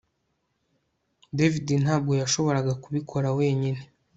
David ntabwo yashoboraga kubikora wenyine